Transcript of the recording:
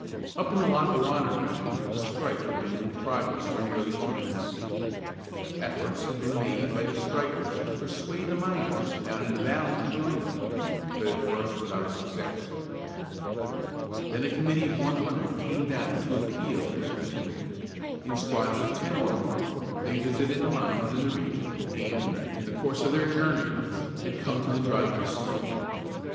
Up in the Lackawanna region a strike had been in progress for nearly two weeks. Efforts had been made by the strikers to persuade the miners down the valley to join them, but at first without success. Then a committee of one hundred came down to appeal and to intimidate. In squads of ten or more they visited the mines in the region, and, in the course of their journeyings, had come to the Dryden Slope.